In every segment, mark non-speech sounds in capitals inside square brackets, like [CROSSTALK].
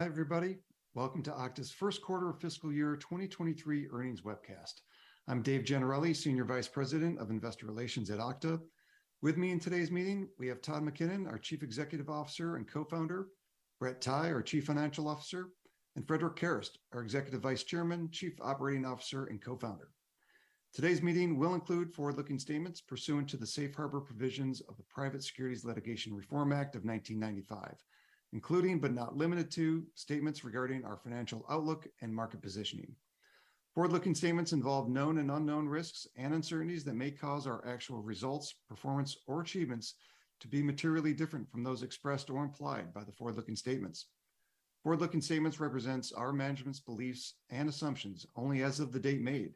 Hi, everybody. Welcome to Okta's first quarter fiscal year 2023 earnings webcast. I'm Dave Gennarelli, Senior Vice President of Investor Relations at Okta. With me in today's meeting, we have Todd McKinnon, our Chief Executive Officer and Co-founder, Brett Tighe, our Chief Financial Officer, and Frederic Kerrest, our Executive Vice Chairman, Chief Operating Officer and Co-founder. Today's meeting will include forward-looking statements pursuant to the safe harbor provisions of the Private Securities Litigation Reform Act of 1995, including but not limited to, statements regarding our financial outlook and market positioning. Forward-looking statements involve known and unknown risks and uncertainties that may cause our actual results, performance, or achievements to be materially different from those expressed or implied by the forward-looking statements. Forward-looking statements represents our management's beliefs and assumptions only as of the date made.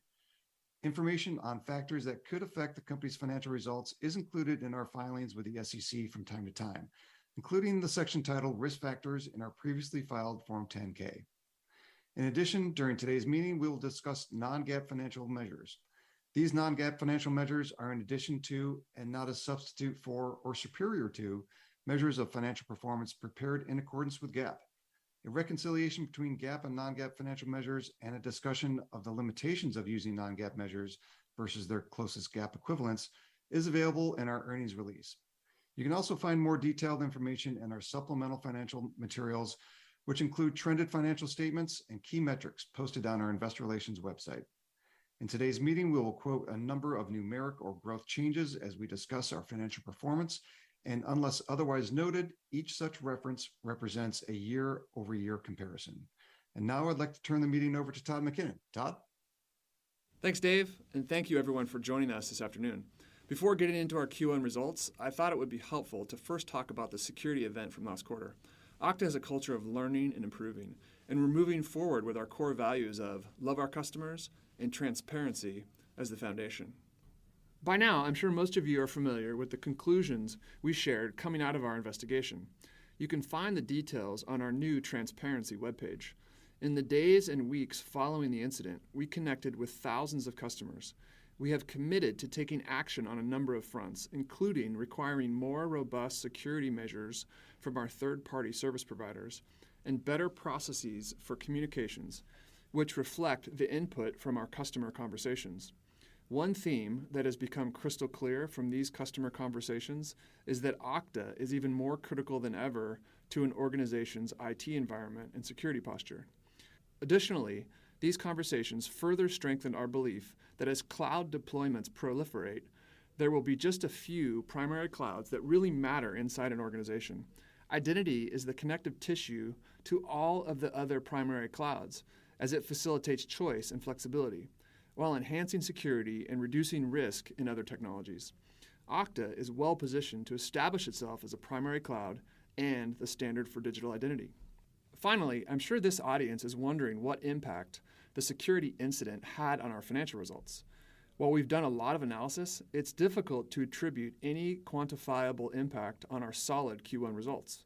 Information on factors that could affect the company's financial results is included in our filings with the SEC from time to time, including the section titled Risk Factors in our previously filed form 10-K. In addition, during today's meeting, we will discuss non-GAAP financial measures. These non-GAAP financial measures are in addition to and not a substitute for or superior to measures of financial performance prepared in accordance with GAAP. A reconciliation between GAAP and non-GAAP financial measures and a discussion of the limitations of using non-GAAP measures versus their closest GAAP equivalents is available in our earnings release. You can also find more detailed information in our supplemental financial materials, which include trended financial statements and key metrics posted on our investor relations website. In today's meeting, we will quote a number of numeric or growth changes as we discuss our financial performance, and unless otherwise noted, each such reference represents a year-over-year comparison. Now I'd like to turn the meeting over to Todd McKinnon. Todd. Thanks, Dave, and thank you everyone for joining us this afternoon. Before getting into our Q1 results, I thought it would be helpful to first talk about the security event from last quarter. Okta has a culture of learning and improving, and we're moving forward with our core values of love our customers and transparency as the foundation. By now, I'm sure most of you are familiar with the conclusions we shared coming out of our investigation. You can find the details on our new Transparency webpage. In the days and weeks following the incident, we connected with thousands of customers. We have committed to taking action on a number of fronts, including requiring more robust security measures from our third-party service providers and better processes for communications, which reflect the input from our customer conversations. One theme that has become crystal clear from these customer conversations is that Okta is even more critical than ever to an organization's IT environment and security posture. Additionally, these conversations further strengthen our belief that as cloud deployments proliferate, there will be just a few primary clouds that really matter inside an organization. Identity is the connective tissue to all of the other primary clouds as it facilitates choice and flexibility while enhancing security and reducing risk in other technologies. Okta is well-positioned to establish itself as a primary cloud and the standard for digital identity. Finally, I'm sure this audience is wondering what impact the security incident had on our financial results. While we've done a lot of analysis, it's difficult to attribute any quantifiable impact on our solid Q1 results.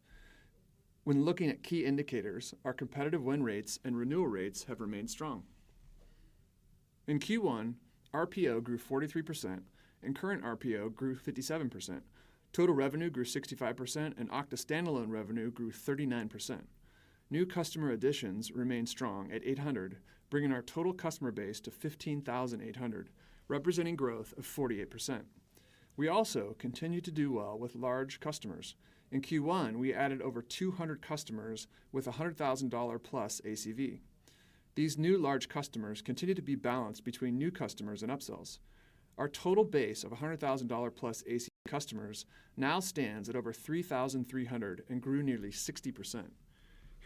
When looking at key indicators, our competitive win rates and renewal rates have remained strong. In Q1, RPO grew 43% and current RPO grew 57%. Total revenue grew 65%, and Okta standalone revenue grew 39%. New customer additions remained strong at 800, bringing our total customer base to 15,800, representing growth of 48%. We also continued to do well with large customers. In Q1, we added over 200 customers with a $100,000+ ACV. These new large customers continue to be balanced between new customers and upsells. Our total base of a $100,000+ ACV customers now stands at over 3,300 and grew nearly 60%.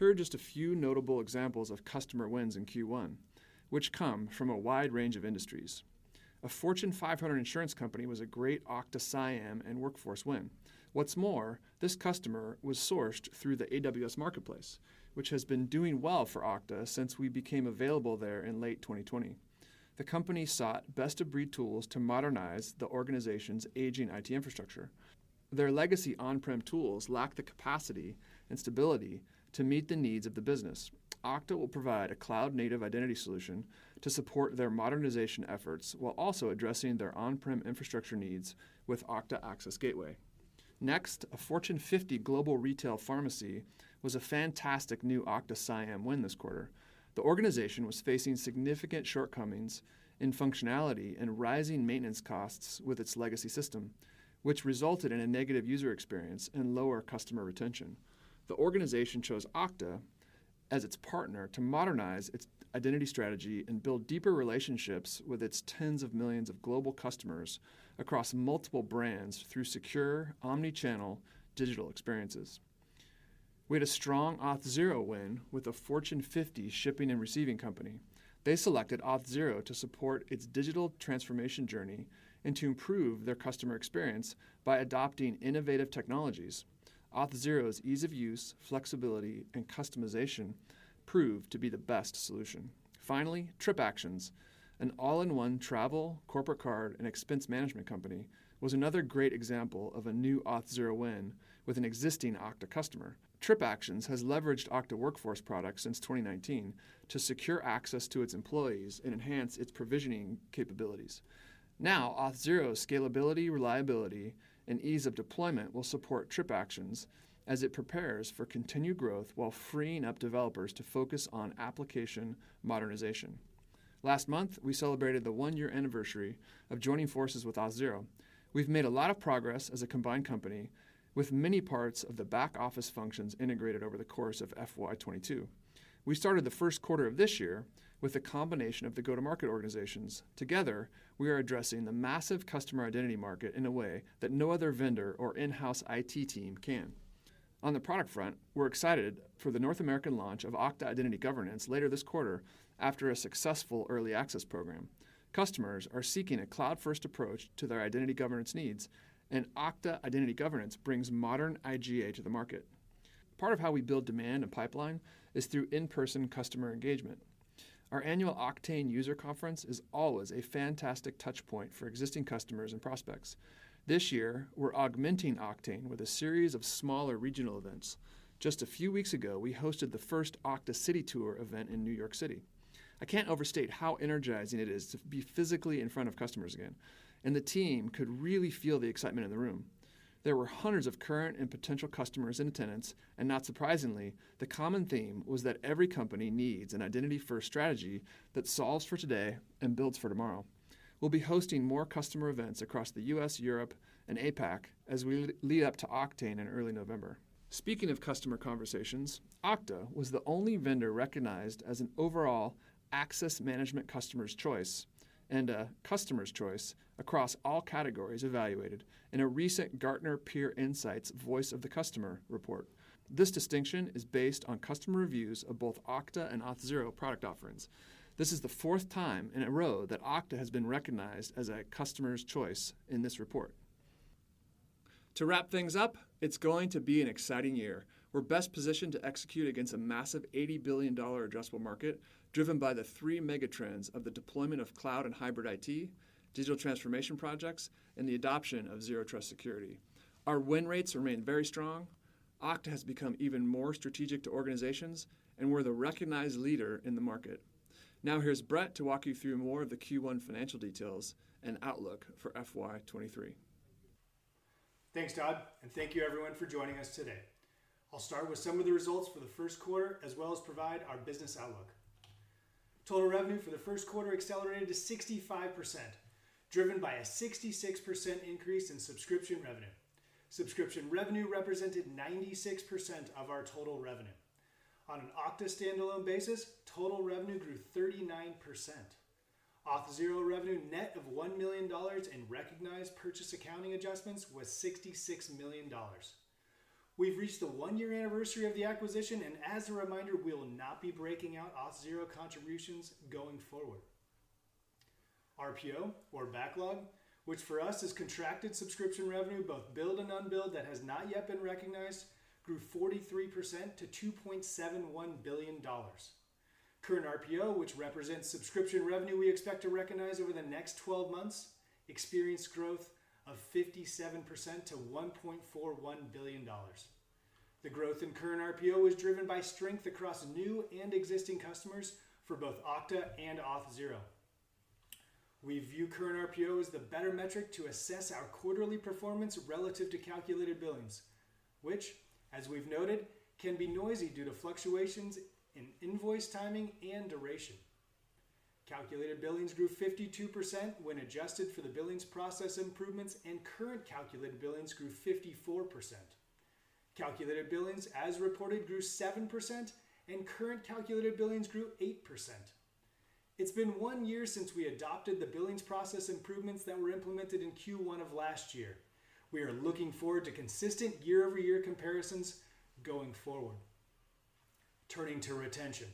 Here are just a few notable examples of customer wins in Q1, which come from a wide range of industries. A Fortune 500 insurance company was a great Okta CIAM and workforce win. What's more, this customer was sourced through the AWS Marketplace, which has been doing well for Okta since we became available there in late 2020. The company sought best-of-breed tools to modernize the organization's aging IT infrastructure. Their legacy on-prem tools lack the capacity and stability to meet the needs of the business. Okta will provide a cloud-native identity solution to support their modernization efforts while also addressing their on-prem infrastructure needs with Okta Access Gateway. Next, a Fortune 50 global retail pharmacy was a fantastic new Okta CIAM win this quarter. The organization was facing significant shortcomings in functionality and rising maintenance costs with its legacy system, which resulted in a negative user experience and lower customer retention. The organization chose Okta as its partner to modernize its identity strategy and build deeper relationships with its tens of millions of global customers across multiple brands through secure omni-channel digital experiences. We had a strong Auth0 win with a Fortune 50 shipping and receiving company. They selected Auth0 to support its digital transformation journey and to improve their customer experience by adopting innovative technologies. Auth0's ease of use, flexibility, and customization proved to be the best solution. Finally, TripActions, an all-in-one travel, corporate card, and expense management company, was another great example of a new Auth0 win with an existing Okta customer. TripActions has leveraged Okta Workforce products since 2019 to secure access to its employees and enhance its provisioning capabilities. Now, Auth0's scalability, reliability, and ease of deployment will support TripActions as it prepares for continued growth while freeing up developers to focus on application modernization. Last month, we celebrated the one-year anniversary of joining forces with Auth0. We've made a lot of progress as a combined company, with many parts of the back-office functions integrated over the course of FY 2022. We started the first quarter of this year with a combination of the go-to-market organizations. Together, we are addressing the massive Customer Identity market in a way that no other vendor or in-house IT team can. On the product front, we're excited for the North American launch of Okta Identity Governance later this quarter after a successful early access program. Customers are seeking a cloud-first approach to their identity governance needs, and Okta Identity Governance brings modern IGA to the market. Part of how we build demand and pipeline is through in-person customer engagement. Our annual Oktane user conference is always a fantastic touch point for existing customers and prospects. This year, we're augmenting Oktane with a series of smaller regional events. Just a few weeks ago, we hosted the first Okta City Tour event in New York City. I can't overstate how energizing it is to be physically in front of customers again, and the team could really feel the excitement in the room. There were hundreds of current and potential customers in attendance, and not surprisingly, the common theme was that every company needs an identity-first strategy that solves for today and builds for tomorrow. We'll be hosting more customer events across the U.S., Europe, and APAC as we lead up to Oktane in early November. Speaking of customer conversations, Okta was the only vendor recognized as an overall access management customer's choice and a customer's choice across all categories evaluated in a recent Gartner Peer Insights Voice of the Customer report. This distinction is based on customer reviews of both Okta and Auth0 product offerings. This is the fourth time in a row that Okta has been recognized as a customer's choice in this report. To wrap things up, it's going to be an exciting year. We're best positioned to execute against a massive $80 billion addressable market driven by the three mega trends of the deployment of cloud and hybrid IT, digital transformation projects, and the adoption of Zero Trust Security. Our win rates remain very strong. Okta has become even more strategic to organizations, and we're the recognized leader in the market. Now here's Brett to walk you through more of the Q1 financial details and outlook for FY 2023. Thanks, Todd, and thank you everyone for joining us today. I'll start with some of the results for the first quarter, as well as provide our business outlook. Total revenue for the first quarter accelerated to 65%, driven by a 66% increase in subscription revenue. Subscription revenue represented 96% of our total revenue. On an Okta standalone basis, total revenue grew 39%. Auth0 revenue net of $1 million in recognized purchase accounting adjustments was $66 million. We've reached the one-year anniversary of the acquisition, and as a reminder, we will not be breaking out Auth0 contributions going forward. RPO or backlog, which for us is contracted subscription revenue, both billed and unbilled, that has not yet been recognized, grew 43% to $2.71 billion. Current RPO, which represents subscription revenue we expect to recognize over the next 12 months, experienced growth of 57% to $1.41 billion. The growth in current RPO was driven by strength across new and existing customers for both Okta and Auth0. We view current RPO as the better metric to assess our quarterly performance relative to calculated billings, which, as we've noted, can be noisy due to fluctuations in invoice timing and duration. Calculated billings grew 52% when adjusted for the billings process improvements and current calculated billings grew 54%. Calculated billings, as reported, grew 7% and current calculated billings grew 8%. It's been one year since we adopted the billings process improvements that were implemented in Q1 of last year. We are looking forward to consistent year-over-year comparisons going forward. Turning to retention.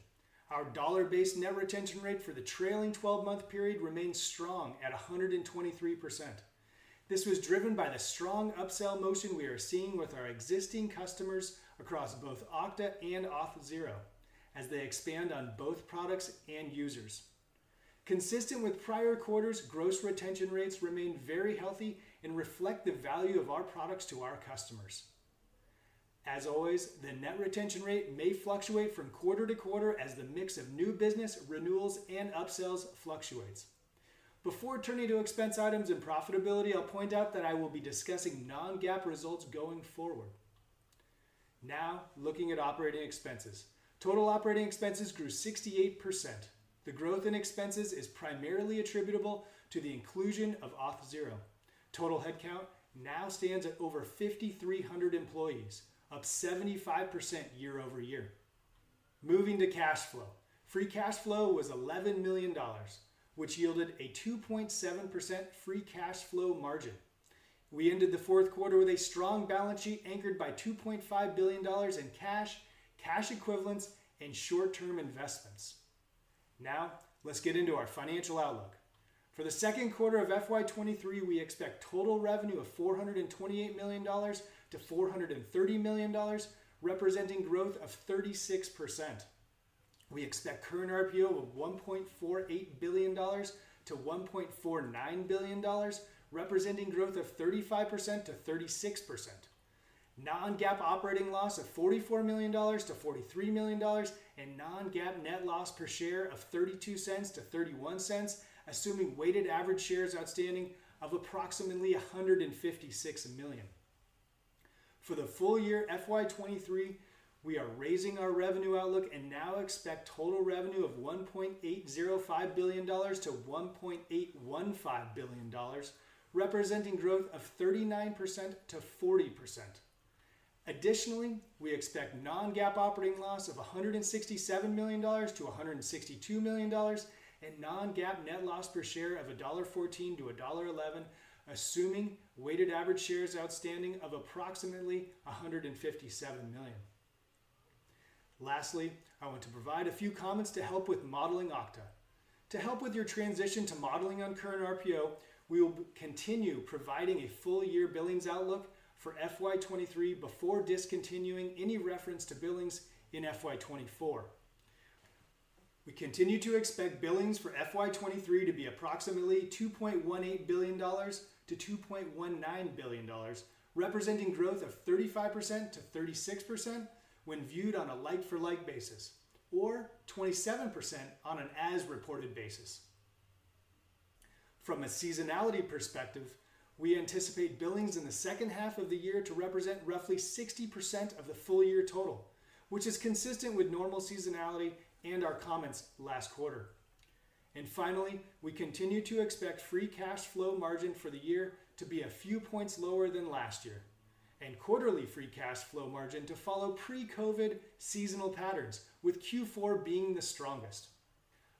Our dollar-based net retention rate for the trailing 12-month period remains strong at 123%. This was driven by the strong upsell motion we are seeing with our existing customers across both Okta and Auth0 as they expand on both products and users. Consistent with prior quarters, gross retention rates remain very healthy and reflect the value of our products to our customers. As always, the net retention rate may fluctuate from quarter to quarter as the mix of new business renewals and upsells fluctuates. Before turning to expense items and profitability, I'll point out that I will be discussing non-GAAP results going forward. Now, looking at operating expenses. Total operating expenses grew 68%. The growth in expenses is primarily attributable to the inclusion of Auth0. Total headcount now stands at over 5,300 employees, up 75% year-over-year. Moving to cash flow. Free cash flow was $11 million, which yielded a 2.7% free cash flow margin. We ended the fourth quarter with a strong balance sheet anchored by $2.5 billion in cash equivalents, and short-term investments. Now, let's get into our financial outlook. For the second quarter of FY 2023, we expect total revenue of $428 million-$430 million, representing growth of 36%. We expect current RPO of $1.48 billion-$1.49 billion, representing growth of 35%-36%. Non-GAAP operating loss of $44 million-$43 million and non-GAAP net loss per share of $0.32-$0.31, assuming weighted average shares outstanding of approximately 156 million. For the full year FY 2023, we are raising our revenue outlook and now expect total revenue of $1.805 billion-$1.815 billion, representing growth of 39%-40%. Additionally, we expect non-GAAP operating loss of $167 million-$162 million and non-GAAP net loss per share of $1.14-$1.11, assuming weighted average shares outstanding of approximately 157 million. Lastly, I want to provide a few comments to help with modeling Okta. To help with your transition to modeling on Current RPO, we will continue providing a full year billings outlook for FY 2023 before discontinuing any reference to billings in FY 2024. We continue to expect billings for FY 2023 to be approximately $2.18 billion-$2.19 billion, representing growth of 35%-36% when viewed on a like-for-like basis, or 27% on an as-reported basis. From a seasonality perspective, we anticipate billings in the second half of the year to represent roughly 60% of the full year total, which is consistent with normal seasonality and our comments last quarter. Finally, we continue to expect free cash flow margin for the year to be a few points lower than last year, and quarterly free cash flow margin to follow pre-COVID seasonal patterns, with Q4 being the strongest.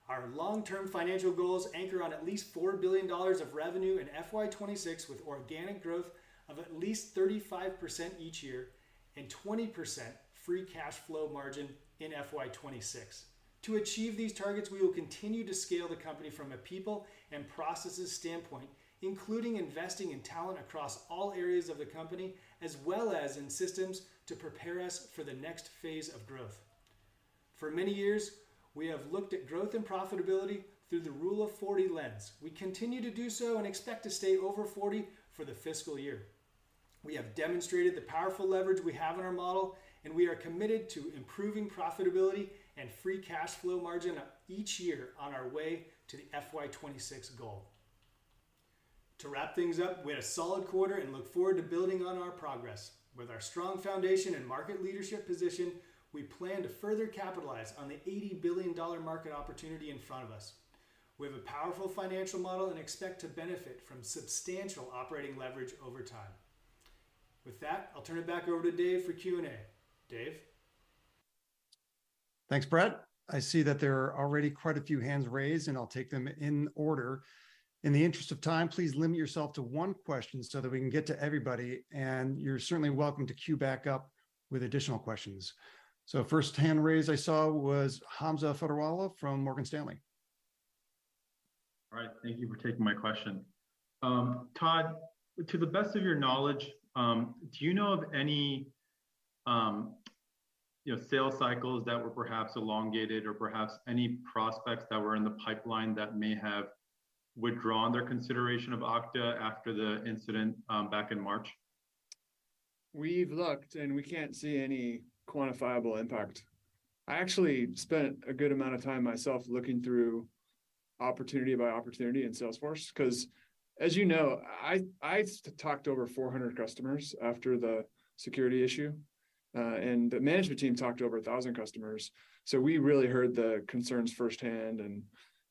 Our long-term financial goals anchor on at least $4 billion of revenue in FY 2026, with organic growth of at least 35% each year and 20% free cash flow margin in FY 2026. To achieve these targets, we will continue to scale the company from a people and processes standpoint, including investing in talent across all areas of the company, as well as in systems to prepare us for the next phase of growth. For many years, we have looked at growth and profitability through the Rule of 40 lens. We continue to do so and expect to stay over 40 for the fiscal year. We have demonstrated the powerful leverage we have in our model, and we are committed to improving profitability and free cash flow margin each year on our way to the FY 2026 goal. To wrap things up, we had a solid quarter and look forward to building on our progress. With our strong foundation and market leadership position, we plan to further capitalize on the $80 billion market opportunity in front of us. We have a powerful financial model and expect to benefit from substantial operating leverage over time. With that, I'll turn it back over to Dave for Q&A. Dave? Thanks, Brett. I see that there are already quite a few hands raised, and I'll take them in order. In the interest of time, please limit yourself to one question so that we can get to everybody, and you're certainly welcome to queue back up with additional questions. First hand raised I saw was Hamza Fodderwala from Morgan Stanley. All right. Thank you for taking my question. Todd, to the best of your knowledge, do you know of any, you know, sales cycles that were perhaps elongated or perhaps any prospects that were in the pipeline that may have withdrawn their consideration of Okta after the incident, back in March? We've looked, and we can't see any quantifiable impact. I actually spent a good amount of time myself looking through opportunity by opportunity in Salesforce, 'cause as you know, I talked to over 400 customers after the security issue, and the management team talked to over 1,000 customers. We really heard the concerns firsthand and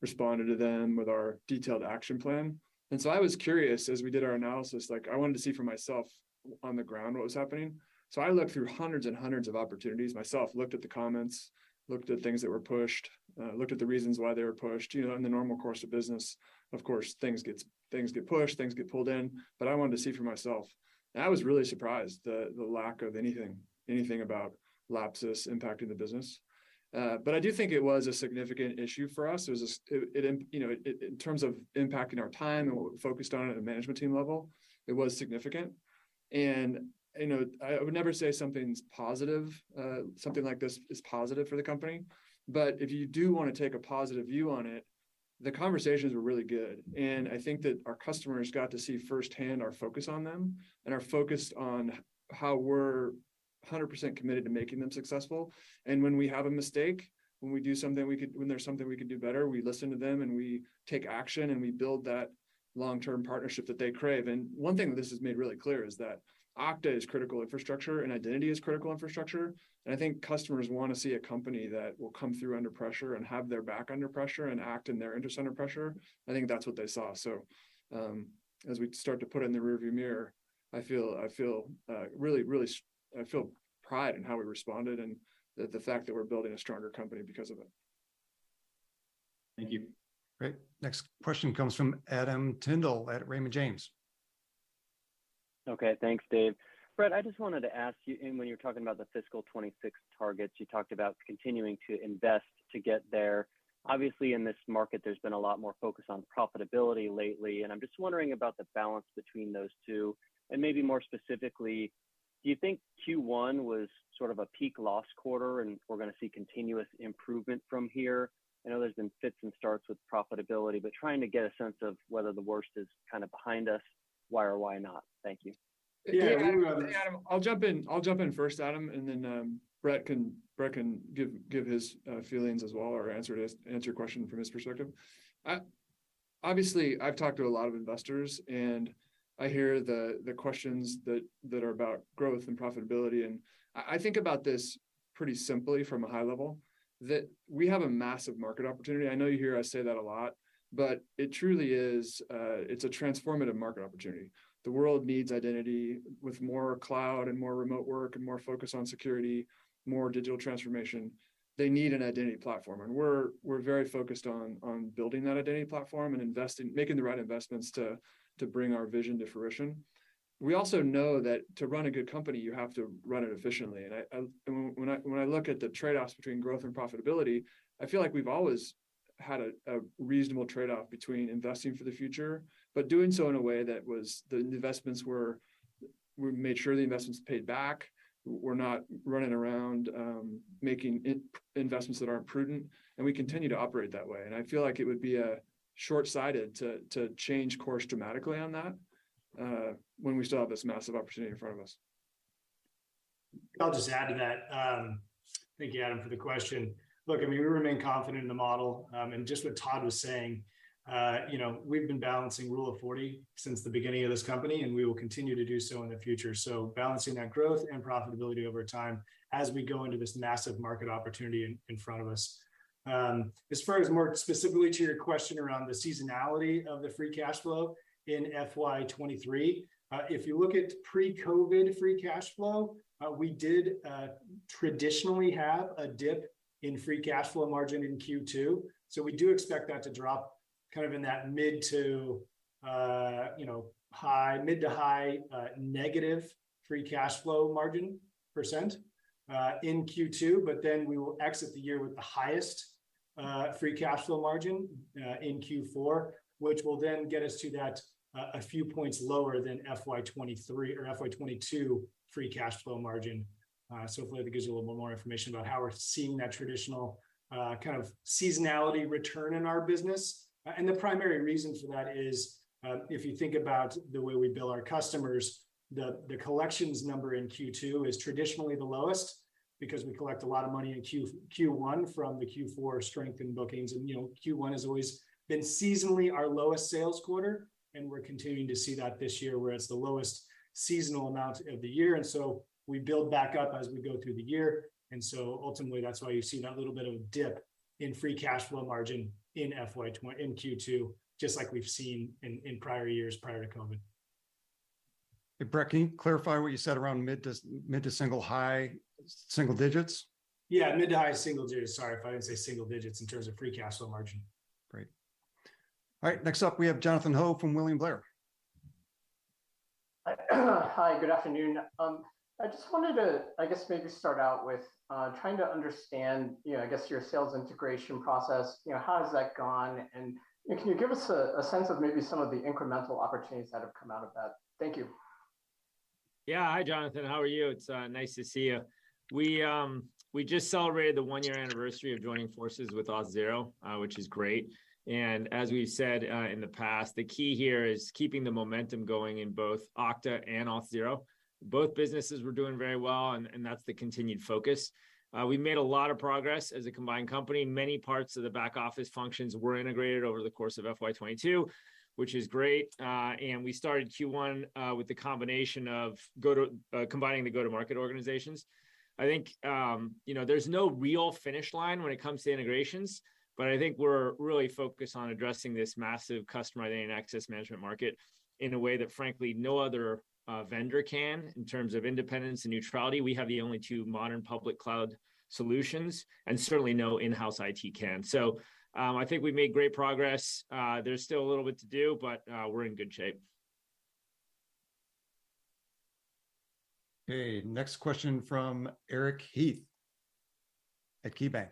responded to them with our detailed action plan. I was curious as we did our analysis, like, I wanted to see for myself on the ground what was happening. I looked through hundreds and hundreds of opportunities myself, looked at the comments, looked at things that were pushed, looked at the reasons why they were pushed. You know, in the normal course of business, of course, things get pushed, things get pulled in, but I wanted to see for myself. I was really surprised the lack of anything about lapses impacting the business. I do think it was a significant issue for us. It was significant. You know, in terms of impacting our time and what we focused on at a management team level, it was significant. You know, I would never say something like this is positive for the company. If you do wanna take a positive view on it, the conversations were really good, and I think that our customers got to see firsthand our focus on them and our focus on how we're 100% committed to making them successful. When we have a mistake, when we do something we could. When there's something we could do better, we listen to them, and we take action, and we build that long-term partnership that they crave. One thing that this has made really clear is that Okta is critical infrastructure, and identity is critical infrastructure. I think customers wanna see a company that will come through under pressure and have their back under pressure and act in their interest under pressure. I think that's what they saw. As we start to put it in the rearview mirror, I feel pride in how we responded and the fact that we're building a stronger company because of it. Thank you. Great. Next question comes from Adam Tindle at Raymond James. Okay. Thanks, Dave. Brett, I just wanted to ask you, and when you were talking about the fiscal 2026 targets, you talked about continuing to invest to get there. Obviously, in this market, there's been a lot more focus on profitability lately, and I'm just wondering about the balance between those two. Maybe more specifically, do you think Q1 was sort of a peak loss quarter, and we're gonna see continuous improvement from here? I know there's been fits and starts with profitability, but trying to get a sense of whether the worst is kind of behind us, why or why not? Thank you. Yeah. Yeah. Adam, I'll jump in first, Adam, and then Brett can give his feelings as well or answer your question from his perspective. Obviously, I've talked to a lot of investors, and I think about this pretty simply from a high level, that we have a massive market opportunity. I know you hear us say that a lot, but it truly is, it's a transformative market opportunity. The world needs identity. With more cloud and more remote work and more focus on security, more digital transformation, they need an identity platform. We're very focused on building that identity platform and investing, making the right investments to bring our vision to fruition. We also know that to run a good company, you have to run it efficiently. When I look at the trade-offs between growth and profitability, I feel like we've always had a reasonable trade-off between investing for the future, but doing so in a way that we made sure the investments paid back. We're not running around making investments that aren't prudent, and we continue to operate that way. I feel like it would be shortsighted to change course dramatically on that when we still have this massive opportunity in front of us. I'll just add to that. Thank you, Adam, for the question. Look, I mean, we remain confident in the model, and just what Todd was saying, you know, we've been balancing Rule of 40 since the beginning of this company, and we will continue to do so in the future. Balancing that growth and profitability over time as we go into this massive market opportunity in front of us. As far as more specifically to your question around the seasonality of the free cash flow in FY 2023, if you look at pre-COVID free cash flow, we did traditionally have a dip in free cash flow margin in Q2, so we do expect that to drop kind of in that mid- to high- negative free cash flow margin % in Q2, but then we will exit the year with the highest free cash flow margin in Q4, which will then get us to that a few points lower than FY 2023 or FY 2022 free cash flow margin. Hopefully that gives you a little bit more information about how we're seeing that traditional kind of seasonality return in our business. The primary reason for that is, if you think about the way we bill our customers, the collections number in Q2 is traditionally the lowest because we collect a lot of money in Q1 from the Q4 strength in bookings. You know, Q1 has always been seasonally our lowest sales quarter, and we're continuing to see that this year, where it's the lowest seasonal amount of the year. We build back up as we go through the year. Ultimately, that's why you see that little bit of a dip in free cash flow margin in FY 2020 in Q2, just like we've seen in prior years prior to COVID. Hey, Brett, can you clarify what you said around mid- to high-single digits? Yeah, mid to high single digits. Sorry if I didn't say single digits in terms of free cash flow margin. Great. All right. Next up, we have Jonathan Ho from William Blair. Hi, good afternoon. I just wanted to, I guess, maybe start out with trying to understand, you know, I guess your sales integration process. You know, how has that gone, and can you give us a sense of maybe some of the incremental opportunities that have come out of that? Thank you. Yeah. Hi, Jonathan. How are you? It's nice to see you. We just celebrated the one-year anniversary of joining forces with Auth0, which is great. As we've said in the past, the key here is keeping the momentum going in both Okta and Auth0. Both businesses were doing very well, and that's the continued focus. We made a lot of progress as a combined company. Many parts of the back-office functions were integrated over the course of FY 2022, which is great. We started Q1 with combining the go-to-market organizations. I think, you know, there's no real finish line when it comes to integrations, but I think we're really focused on addressing this massive Customer Identity and access management market in a way that frankly, no other vendor can in terms of independence and neutrality. We have the only two modern public cloud solutions, and certainly no in-house IT can. I think we've made great progress. There's still a little bit to do, but we're in good shape. Okay. Next question from Eric Heath at KeyBanc.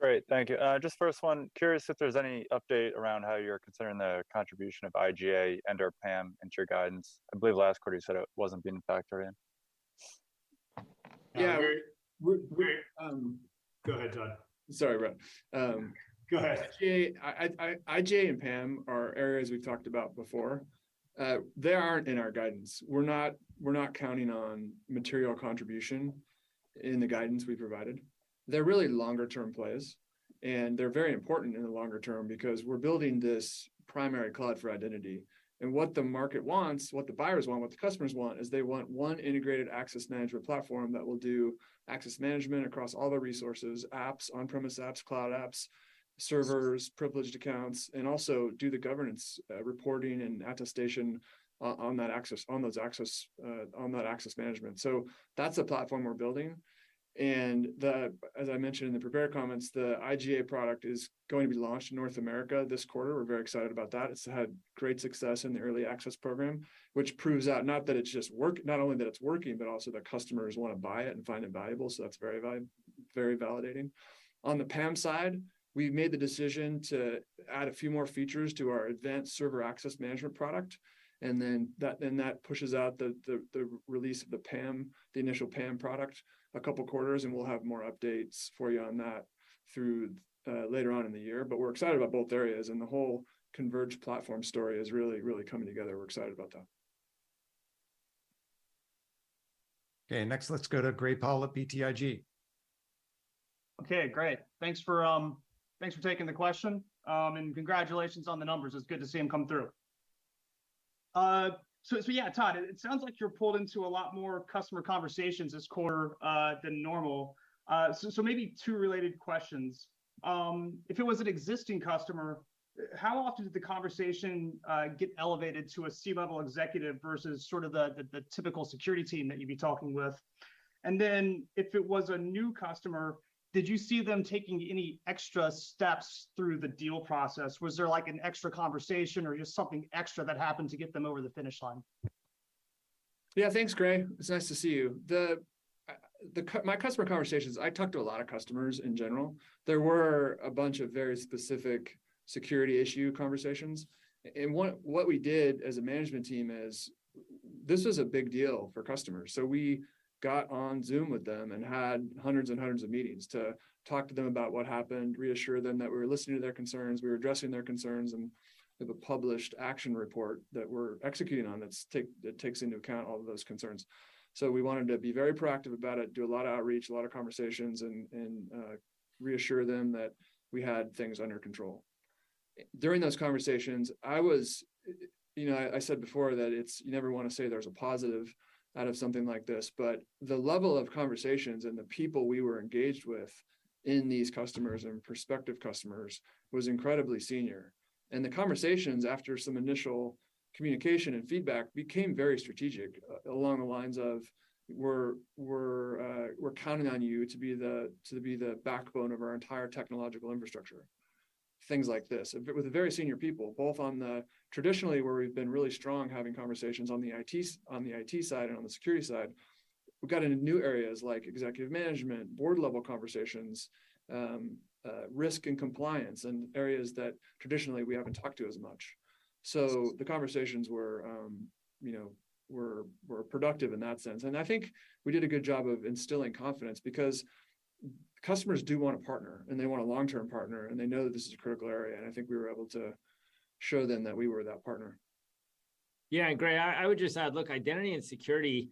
Great. Thank you. Just first one, curious if there's any update around how you're considering the contribution of IGA and/or PAM into your guidance. I believe last quarter you said it wasn't being factored in. Yeah. We're- [CROSSTALK] Go ahead, Todd. Sorry, Brett. Go ahead. IGA and PAM are areas we've talked about before. They aren't in our guidance. We're not counting on material contribution in the guidance we provided. They're really longer-term plays, and they're very important in the longer term because we're building this primary cloud for identity. What the market wants, what the buyers want, what the customers want, is they want one integrated access management platform that will do access management across all the resources, apps, on-premise apps, cloud apps, servers, privileged accounts, and also do the governance, reporting and attestation on that access management. That's the platform we're building. As I mentioned in the prepared comments, the IGA product is going to be launched in North America this quarter. We're very excited about that. It's had great success in the early access program, which proves out not only that it's working, but also that customers wanna buy it and find it valuable, so that's very validating. On the PAM side, we made the decision to add a few more features to our enterprise server access management product, and then that pushes out the release of the PAM, the initial PAM product a couple quarters, and we'll have more updates for you on that through later on in the year. We're excited about both areas, and the whole converged platform story is really, really coming together. We're excited about that. Okay, next, let's go to Gray Powell at BTIG. Okay, great. Thanks for taking the question. Congratulations on the numbers. It's good to see them come through. Yeah, Todd, it sounds like you're pulled into a lot more customer conversations this quarter than normal. Maybe two related questions. If it was an existing customer, how often did the conversation get elevated to a C-level executive versus sort of the typical security team that you'd be talking with? And then if it was a new customer, did you see them taking any extra steps through the deal process? Was there like an extra conversation or just something extra that happened to get them over the finish line? Yeah, thanks, Gray. It's nice to see you. The customer conversations, I talk to a lot of customers in general. There were a bunch of very specific security issue conversations. What we did as a management team is, this was a big deal for customers, so we got on Zoom with them and had hundreds and hundreds of meetings to talk to them about what happened, reassure them that we were listening to their concerns, we were addressing their concerns, and we have a published action report that we're executing on that takes into account all of those concerns. We wanted to be very proactive about it, do a lot of outreach, a lot of conversations, and reassure them that we had things under control. During those conversations, I said before that it's you never wanna say there's a positive out of something like this, but the level of conversations and the people we were engaged with in these customers and prospective customers was incredibly senior. The conversations, after some initial communication and feedback, became very strategic along the lines of, "We're counting on you to be the backbone of our entire technological infrastructure," things like this. With very senior people, both on the traditionally, where we've been really strong, having conversations on the IT side and on the security side. We got into new areas like executive management, board-level conversations, risk and compliance, and areas that traditionally we haven't talked to as much. The conversations were, you know, productive in that sense. I think we did a good job of instilling confidence because customers do want a partner, and they want a long-term partner, and they know that this is a critical area, and I think we were able to show them that we were that partner. Yeah. Gray, I would just add, look, identity and security,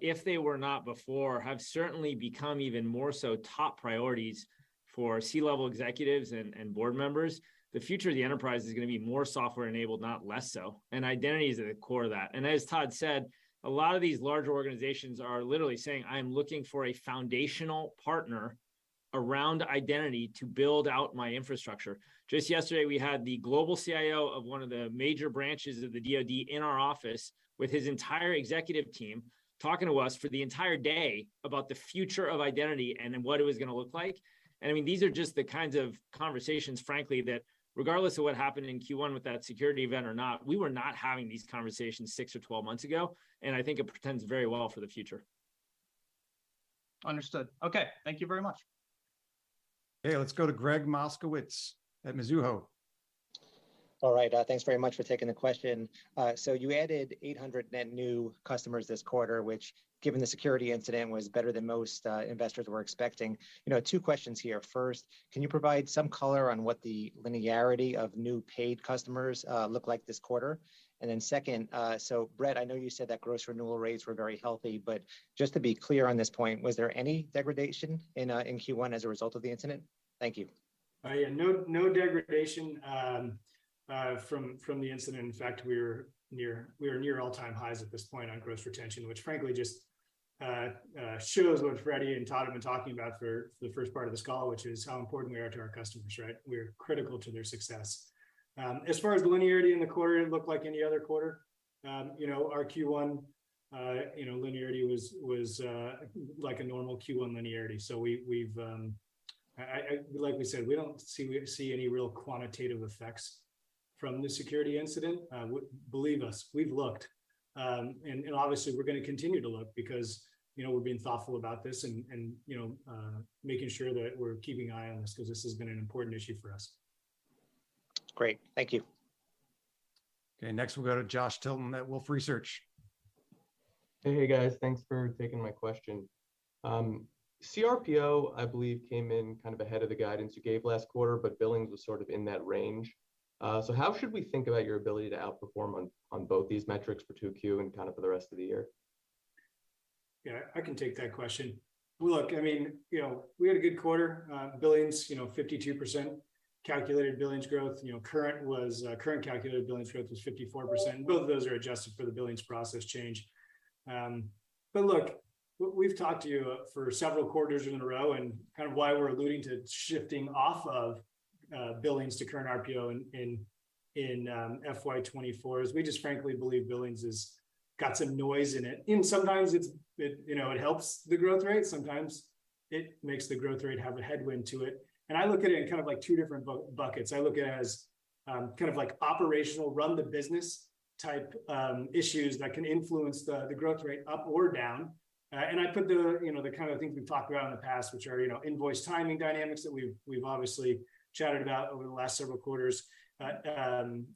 if they were not before, have certainly become even more so top priorities for C-level executives and board members. The future of the enterprise is gonna be more software-enabled, not less so, and identity is at the core of that. As Todd said, a lot of these larger organizations are literally saying, "I'm looking for a foundational partner around identity to build out my infrastructure." Just yesterday, we had the global CIO of one of the major branches of the DoD in our office with his entire executive team, talking to us for the entire day about the future of identity and what it was gonna look like. I mean, these are just the kinds of conversations, frankly, that regardless of what happened in Q1 with that security event or not, we were not having these conversations six or 12 months ago, and I think it portends very well for the future. Understood. Okay, thank you very much. Okay, let's go to Gregg Moskowitz at Mizuho. All right, thanks very much for taking the question. You added 800 net new customers this quarter, which, given the security incident, was better than most investors were expecting. You know, two questions here. First, can you provide some color on what the linearity of new paid customers look like this quarter? Second, Brett, I know you said that gross renewal rates were very healthy, but just to be clear on this point, was there any degradation in Q1 as a result of the incident? Thank you. Oh yeah, no degradation from the incident. In fact, we are near all-time highs at this point on gross retention, which frankly just shows what Frederic and Todd have been talking about for the first part of this call, which is how important we are to our customers, right? We're critical to their success. As far as the linearity in the quarter, it looked like any other quarter. You know, our Q1 linearity was like a normal Q1 linearity. We've, like we said, we don't see any real quantitative effects from the security incident. Believe us, we've looked. Obviously, we're gonna continue to look because, you know, we're being thoughtful about this and, you know, making sure that we're keeping an eye on this 'cause this has been an important issue for us. Great. Thank you. Okay. Next, we'll go to Joshua Tilton at Wolfe Research. Hey, guys. Thanks for taking my question. cRPO, I believe, came in kind of ahead of the guidance you gave last quarter, but billings was sort of in that range. How should we think about your ability to outperform on both these metrics for 2Q and kind of for the rest of the year? Yeah, I can take that question. Look, I mean, you know, we had a good quarter. Billings, you know, 52% calculated billings growth. You know, current calculated billings growth was 54%. Both of those are adjusted for the billings process change. But look, we've talked to you for several quarters in a row and kind of why we're alluding to shifting off of billings to current RPO in FY 2024 is we just frankly believe billings has got some noise in it. Sometimes it's, you know, it helps the growth rate, sometimes it makes the growth rate have a headwind to it. I look at it in kind of like two different buckets. I look at it as kind of like operational, run the business type issues that can influence the growth rate up or down. I put the, you know, the kind of things we've talked about in the past, which are, you know, invoice timing dynamics that we've obviously chatted about over the last several quarters.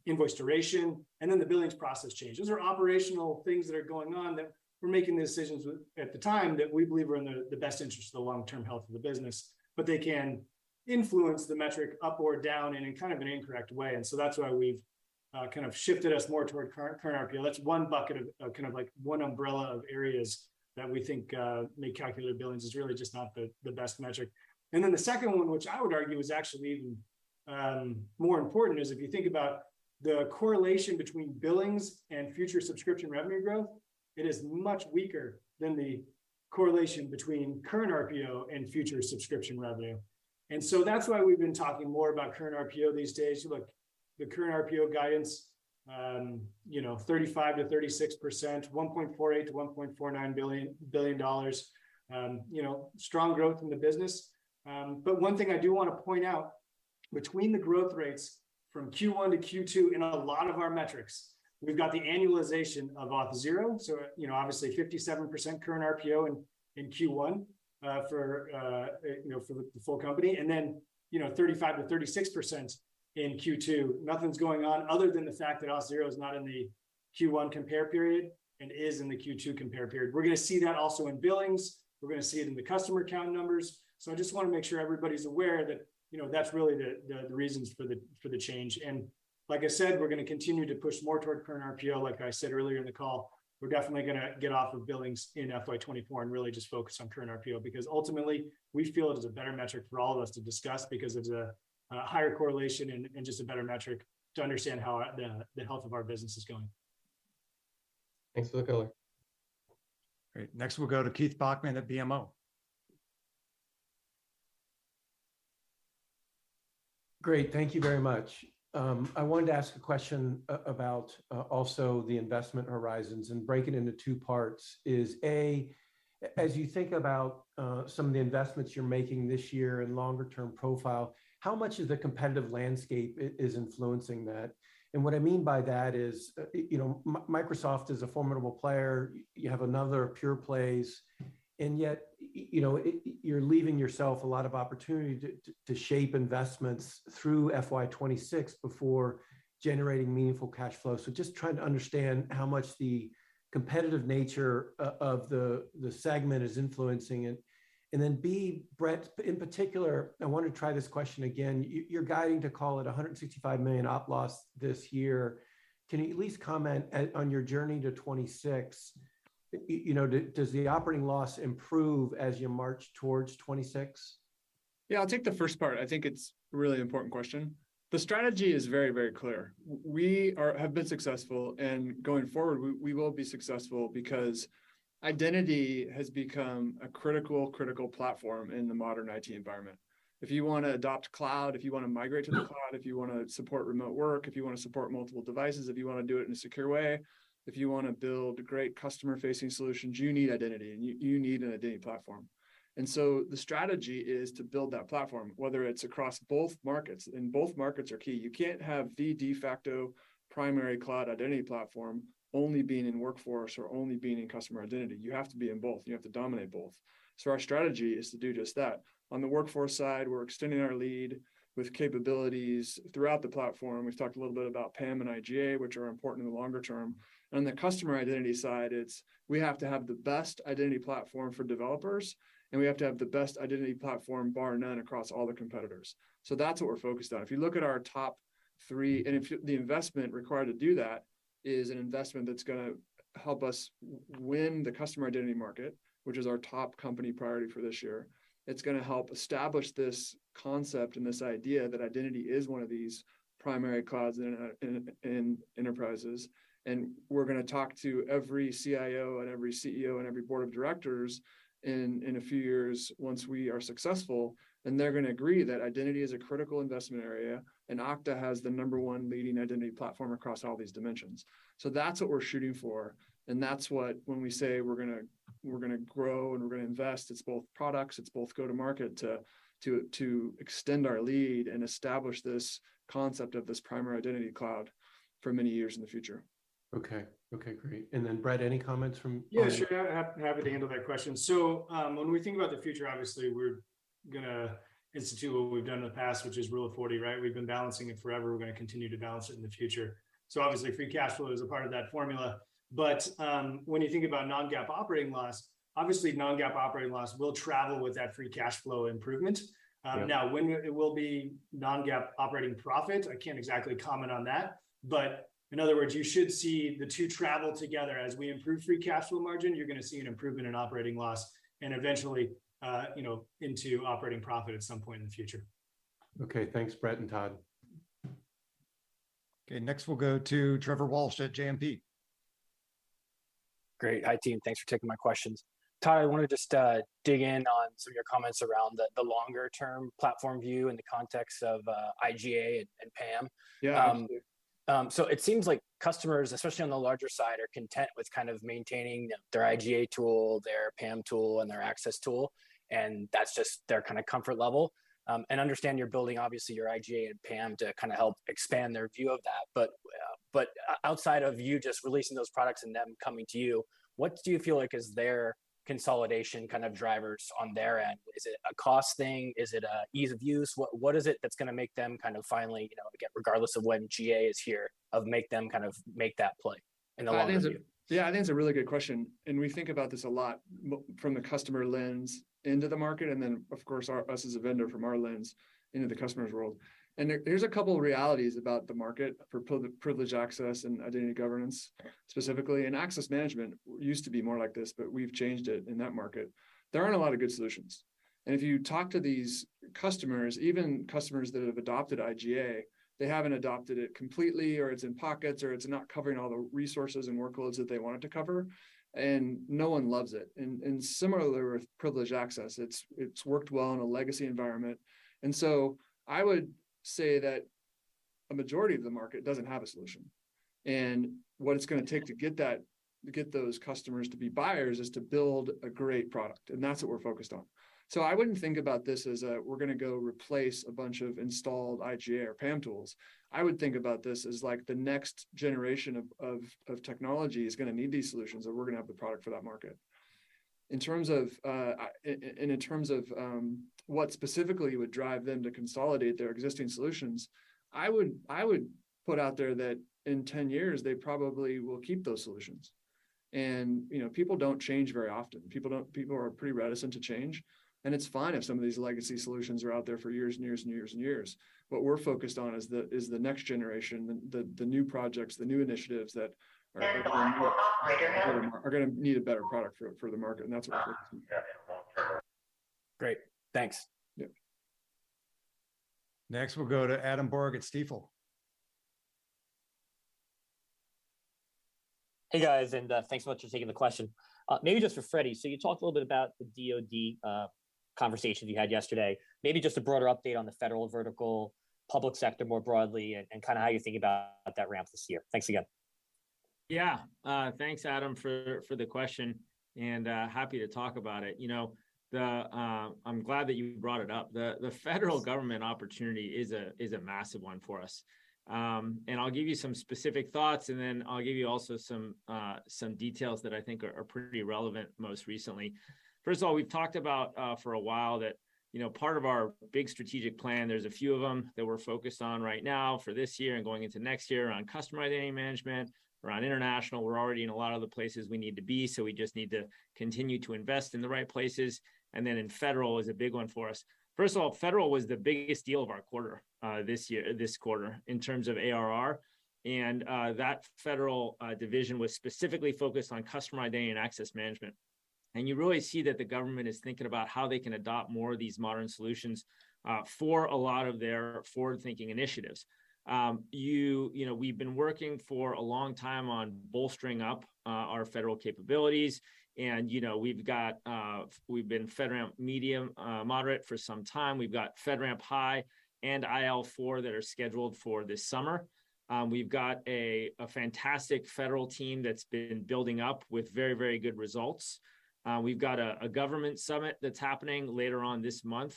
Invoice duration, and then the billings process change. Those are operational things that are going on that we're making decisions with at the time that we believe are in the best interest of the long-term health of the business, but they can influence the metric up or down in a kind of an incorrect way. That's why we've kind of shifted us more toward current RPO. That's one bucket of kind of like one umbrella of areas that we think make calculated billings is really just not the best metric. Then the second one, which I would argue is actually more important is if you think about the correlation between billings and future subscription revenue growth, it is much weaker than the correlation between current RPO and future subscription revenue. That's why we've been talking more about current RPO these days. Look, the current RPO guidance, you know, 35%-36%, $1.48 billion-$1.49 billion, you know, strong growth in the business. One thing I do wanna point out, between the growth rates from Q1 to Q2 in a lot of our metrics, we've got the annualization of Auth0. You know, obviously 57% current RPO in Q1 for the full company. Then, you know, 35%-36% in Q2. Nothing's going on other than the fact that Auth0 is not in the Q1 compare period and is in the Q2 compare period. We're gonna see that also in billings. We're gonna see it in the customer count numbers. I just wanna make sure everybody's aware that, you know, that's really the reasons for the change. Like I said, we're gonna continue to push more toward current RPO. Like I said earlier in the call, we're definitely gonna get off of billings in FY 2024 and really just focus on current RPO, because ultimately, we feel it is a better metric for all of us to discuss because it's a higher correlation and just a better metric to understand how the health of our business is going. Thanks for the color. Great. Next, we'll go to Keith Bachman at BMO. Great. Thank you very much. I wanted to ask a question about also the investment horizons and break it into two parts. A, as you think about some of the investments you're making this year and longer term profile, how much of the competitive landscape is influencing that? And what I mean by that is, you know, Microsoft is a formidable player. You have other pure plays, and yet, you know, you're leaving yourself a lot of opportunity to shape investments through FY 2026 before generating meaningful cash flow. So just trying to understand how much the competitive nature of the segment is influencing it. And then B, Brett, in particular, I want to try this question again. You're guiding to call it $165 million op loss this year. Can you at least comment on your journey to 2026? You know, does the operating loss improve as you march towards 2026? Yeah, I'll take the first part. I think it's a really important question. The strategy is very, very clear. We have been successful and going forward, we will be successful because identity has become a critical platform in the modern IT environment. If you wanna adopt cloud, if you wanna migrate to the cloud, if you wanna support remote work, if you wanna support multiple devices, if you wanna do it in a secure way, if you wanna build great customer-facing solutions, you need identity and you need an identity platform. The strategy is to build that platform, whether it's across both markets, and both markets are key. You can't have the de facto primary cloud identity platform only being in Workforce or only being in Customer Identity. You have to be in both. You have to dominate both. Our strategy is to do just that. On the Workforce side, we're extending our lead with capabilities throughout the platform. We've talked a little bit about PAM and IGA, which are important in the longer term. On the Customer Identity side, it's we have to have the best identity platform for developers, and we have to have the best identity platform, bar none, across all the competitors. That's what we're focused on. If you look at our top three. If the investment required to do that is an investment that's gonna help us win the Customer Identity market, which is our top company priority for this year, it's gonna help establish this concept and this idea that identity is one of these primary clouds in enterprises. We're gonna talk to every CIO and every CEO and every Board of Directors in a few years once we are successful, and they're gonna agree that identity is a critical investment area, and Okta has the number one leading identity platform across all these dimensions. That's what we're shooting for, and that's what when we say we're gonna grow and we're gonna invest, it's both products, it's both go-to-market to extend our lead and establish this concept of this primary identity cloud for many years in the future. Okay, great. Brett, any comments from? Yeah, sure. Happy to handle that question. When we think about the future, obviously, we're gonna institute what we've done in the past, which is Rule of 40, right? We've been balancing it forever. We're gonna continue to balance it in the future. Obviously, free cash flow is a part of that formula. When you think about non-GAAP operating loss, obviously non-GAAP operating loss will travel with that free cash flow improvement. Yeah. Now when it will be non-GAAP operating profit, I can't exactly comment on that. In other words, you should see the two travel together. As we improve free cash flow margin, you're gonna see an improvement in operating loss and eventually, you know, into operating profit at some point in the future. Okay. Thanks, Brett and Todd. Okay. Next, we'll go to Trevor Walsh at JMP. Great. Hi, team. Thanks for taking my questions. Todd, I wanted to just dig in on some of your comments around the longer-term platform view in the context of IGA and PAM. Yeah. It seems like customers, especially on the larger side, are content with kind of maintaining their IGA tool, their PAM tool, and their access tool, and that's just their kinda comfort level. I understand you're building obviously your IGA and PAM to kinda help expand their view of that. But outside of you just releasing those products and them coming to you, what do you feel like is their consolidation kind of drivers on their end? Is it a cost thing? Is it an ease of use? What is it that's gonna make them kind of finally, you know, regardless of when GA is here, to make them kind of make that play in the longer view? Yeah, I think it's a really good question, and we think about this a lot from the customer lens into the market, and then of course, us as a vendor from our lens into the customer's world. There, there's a couple realities about the market for privilege access and identity governance, specifically. Access management used to be more like this, but we've changed it in that market. There aren't a lot of good solutions. If you talk to these customers, even customers that have adopted IGA, they haven't adopted it completely, or it's in pockets, or it's not covering all the resources and workloads that they want it to cover, and no one loves it. Similarly with privileged access, it's worked well in a legacy environment. I would say that a majority of the market doesn't have a solution. What it's gonna take to get that, to get those customers to be buyers is to build a great product, and that's what we're focused on. I wouldn't think about this as a, we're gonna go replace a bunch of installed IGA or PAM tools. I would think about this as, like, the next generation of technology is gonna need these solutions, and we're gonna have the product for that market. In terms of what specifically would drive them to consolidate their existing solutions, I would put out there that in 10 years they probably will keep those solutions. You know, people don't change very often. People are pretty reticent to change. It's fine if some of these legacy solutions are out there for years and years and years and years. What we're focused on is the next generation, the new projects, the new initiatives that are gonna need a better product for the market, and that's what we're Great. Thanks. Yep. Next, we'll go to Adam Borg at Stifel. Hey, guys, thanks so much for taking the question. Maybe just for Frederic. You talked a little bit about the DoD conversation you had yesterday. Maybe just a broader update on the federal vertical public sector more broadly and kinda how you think about that ramp this year. Thanks again. Yeah. Thanks, Adam, for the question and happy to talk about it. You know, I'm glad that you brought it up. The federal government opportunity is a massive one for us. I'll give you some specific thoughts, and then I'll give you also some details that I think are pretty relevant most recently. First of all, we've talked about for a while that, you know, part of our big strategic plan, there's a few of them that we're focused on right now for this year and going into next year on Customer Identity management, around international. We're already in a lot of the places we need to be, so we just need to continue to invest in the right places. In federal is a big one for us. First of all, federal was the biggest deal of our quarter, this year, this quarter in terms of ARR. That federal division was specifically focused on Customer Identity and access management. You really see that the government is thinking about how they can adopt more of these modern solutions for a lot of their forward-thinking initiatives. You know, we've been working for a long time on bolstering up our federal capabilities, and you know, we've been FedRAMP Moderate for some time. We've got FedRAMP High and IL4 that are scheduled for this summer. We've got a fantastic federal team that's been building up with very good results. We've got a government summit that's happening later on this month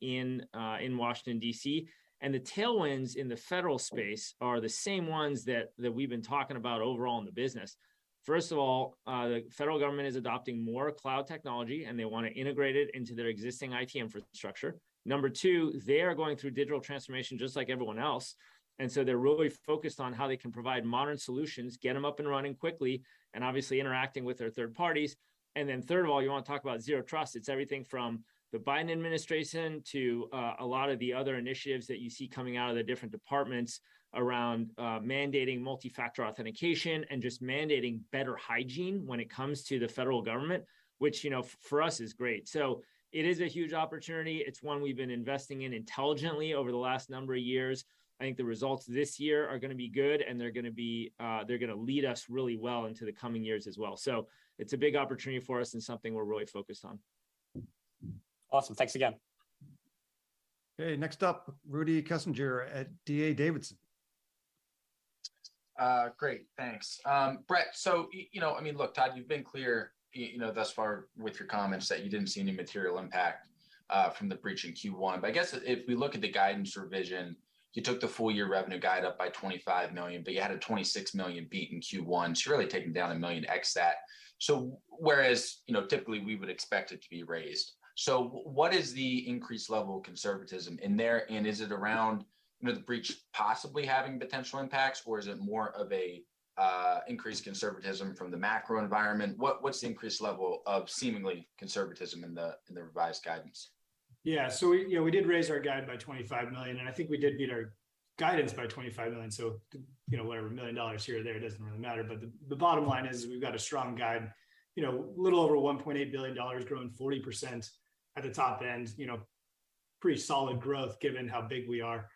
in Washington, D.C. The tailwinds in the federal space are the same ones that we've been talking about overall in the business. First of all, the federal government is adopting more cloud technology, and they wanna integrate it into their existing IT infrastructure. Number two, they are going through digital transformation just like everyone else, and so they're really focused on how they can provide modern solutions, get them up and running quickly, and obviously interacting with their third parties. Then third of all, you wanna talk about Zero Trust. It's everything from the Biden administration to a lot of the other initiatives that you see coming out of the different departments around mandating multi-factor authentication and just mandating better hygiene when it comes to the federal government, which, you know, for us is great. It is a huge opportunity. It's one we've been investing in intelligently over the last number of years. I think the results this year are gonna be good, and they're gonna be, they're gonna lead us really well into the coming years as well. It's a big opportunity for us and something we're really focused on. Awesome. Thanks again. Okay, next up, Rudy Kessinger at D.A. Davidson. Great. Thanks. Brett, so you know, I mean, look, Todd, you've been clear, you know, thus far with your comments that you didn't see any material impact from the breach in Q1. I guess if we look at the guidance revision, you took the full year revenue guide up by $25 million, but you had a $26 million beat in Q1. You're really taking down $1 million except that. Whereas, you know, typically we would expect it to be raised. What is the increased level of conservatism in there, and is it around, you know, the breach possibly having potential impacts, or is it more of a increased conservatism from the macro environment? What, what's the increased level of seeming conservatism in the revised guidance? Yeah. We, you know, we did raise our guide by $25 million, and I think we did beat our guidance by $25 million, so, you know, whatever, 1 million dollars here or there, it doesn't really matter. The bottom line is we've got a strong guide, you know, a little over $1.8 billion, growing 40% at the top end. You know, pretty solid growth given how big we are.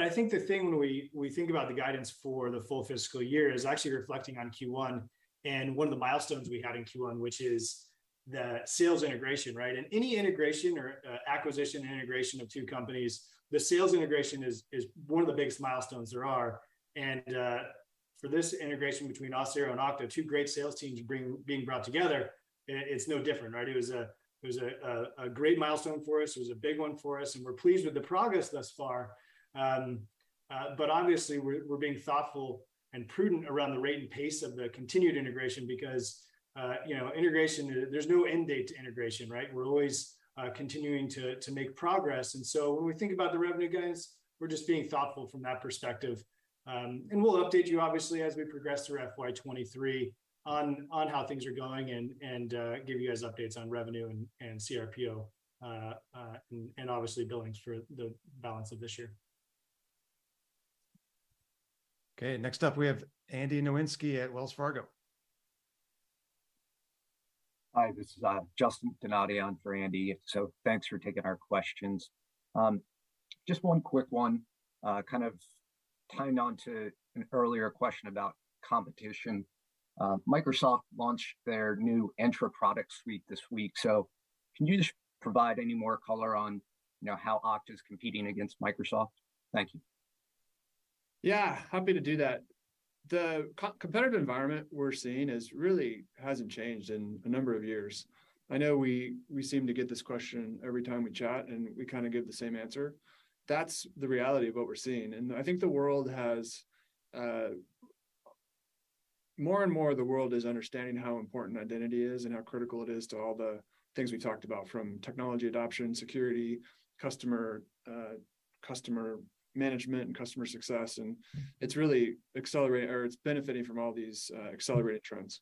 I think the thing when we think about the guidance for the full fiscal year is actually reflecting on Q1 and one of the milestones we had in Q1, which is the sales integration, right? In any integration or acquisition and integration of two companies, the sales integration is one of the biggest milestones there are. For this integration between Auth0 and Okta, two great sales teams being brought together, and it's no different, right? It was a great milestone for us. It was a big one for us, and we're pleased with the progress thus far. But obviously we're being thoughtful and prudent around the rate and pace of the continued integration because you know, integration, there's no end date to integration, right? We're always continuing to make progress. When we think about the revenue guidance, we're just being thoughtful from that perspective. We'll update you obviously as we progress through FY 2023 on how things are going and give you guys updates on revenue and cRPO and obviously billings for the balance of this year. Okay, next up we have Andy Nowinski at Wells Fargo. Hi, this is Justin Donati in for Andy. Thanks for taking our questions. Just one quick one, kind of tying on to an earlier question about competition. Microsoft launched their new Entra product suite this week, so can you just provide any more color on, you know, how Okta is competing against Microsoft? Thank you. Yeah, happy to do that. The competitive environment we're seeing really hasn't changed in a number of years. I know we seem to get this question every time we chat, and we kind of give the same answer. That's the reality of what we're seeing, and I think the world has more and more of the world is understanding how important identity is and how critical it is to all the things we talked about from technology adoption, security, customer management, and customer success, and it's really accelerating, or it's benefiting from all these accelerated trends.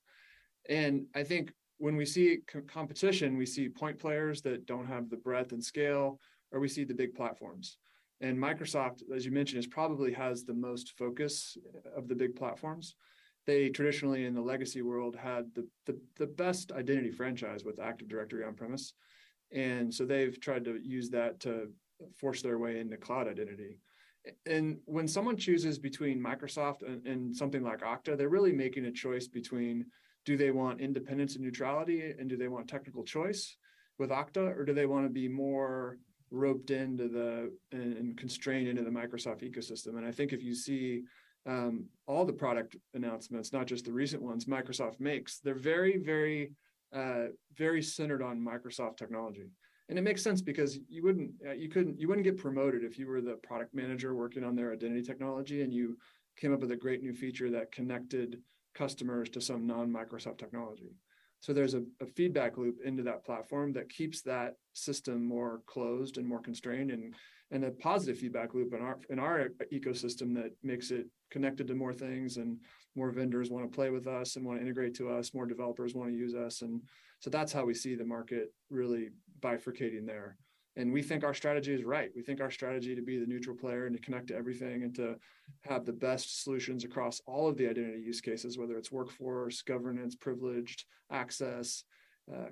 I think when we see coopetition, we see point players that don't have the breadth and scale, or we see the big platforms. Microsoft, as you mentioned, is probably has the most focus of the big platforms. They traditionally, in the legacy world, had the best identity franchise with Active Directory on-premises, and so they've tried to use that to force their way into cloud identity. When someone chooses between Microsoft and something like Okta, they're really making a choice between do they want independence and neutrality and do they want technical choice with Okta, or do they want to be more roped into and constrained into the Microsoft ecosystem. I think if you see all the product announcements, not just the recent ones Microsoft makes, they're very centered on Microsoft technology. It makes sense because you wouldn't get promoted if you were the product manager working on their identity technology, and you came up with a great new feature that connected customers to some non-Microsoft technology. There's a feedback loop into that platform that keeps that system more closed and more constrained and a positive feedback loop in our ecosystem that makes it connected to more things and more vendors want to play with us and want to integrate to us, more developers want to use us. That's how we see the market really bifurcating there. We think our strategy is right. We think our strategy to be the neutral player and to connect everything and to have the best solutions across all of the identity use cases, whether it's workforce, governance, privileged access,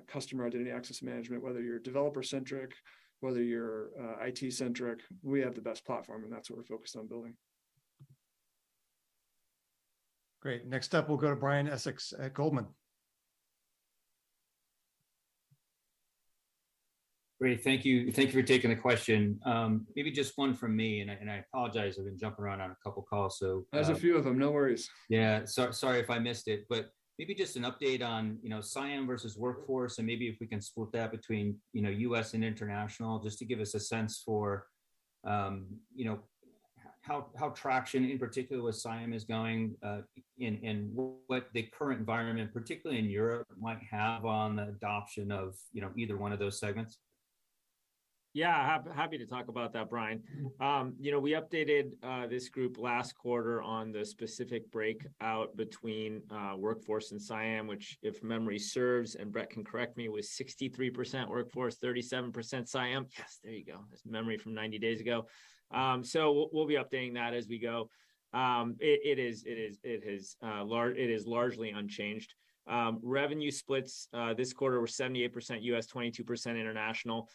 Customer Identity access management, whether you're developer-centric, whether you're IT-centric, we have the best platform, and that's what we're focused on building. Great. Next up, we'll go to Brian Essex at Goldman. Great, thank you. Thank you for taking the question. Maybe just one from me, and I apologize. I've been jumping around on a couple calls, so. There's a few of them. No worries. Yeah. Sorry if I missed it, but maybe just an update on, you know, CIAM versus Workforce, and maybe if we can split that between, you know, U.S. and international, just to give us a sense for, you know, how traction in particular with CIAM is going, and what the current environment, particularly in Europe, might have on the adoption of, you know, either one of those segments? Yeah. Happy to talk about that, Brian. You know, we updated this group last quarter on the specific breakout between Workforce and CIAM, which if memory serves, and Brett can correct me, was 63% Workforce, 37% CIAM. Yes, there you go. That's memory from 90 days ago. So we'll be updating that as we go. It is largely unchanged. Revenue splits this quarter were 78% U.S., 22% international.